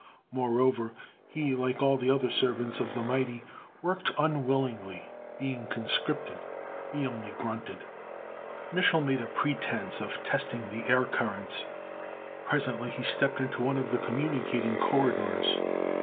Moreover, he, like all other servants of the mighty, worked unwillingly, being conscripted. He only grunted. Mich'l made a pretense of testing the air currents. Presently he stepped into one of the communicating corridors.